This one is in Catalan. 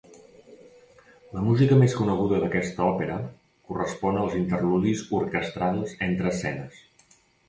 La música més coneguda d'aquesta òpera correspon als interludis orquestrals entre escenes.